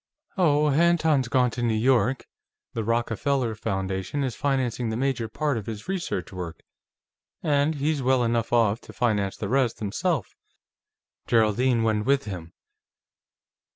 "Oh, Anton's gone to New York. The Rockefeller Foundation is financing the major part of his research work, and he's well enough off to finance the rest himself. Geraldine went with him.